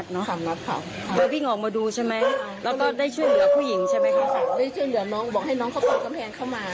ได้ช่วยเหลือน้องบอกให้น้องเขาปล่อยกำแพงเข้ามา